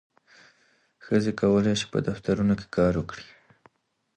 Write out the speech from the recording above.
ښځې کولی شي په دفترونو کې کار وکړي.